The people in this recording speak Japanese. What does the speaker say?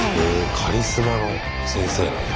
カリスマの先生なんだ。